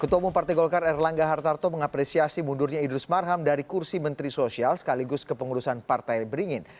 ketua umum partai golkar erlangga hartarto mengapresiasi mundurnya idrus marham dari kursi menteri sosial sekaligus kepengurusan partai beringin